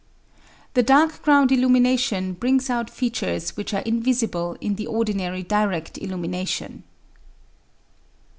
The dark*ground illumination brings out features which are in visible in the ordinary direct illumination.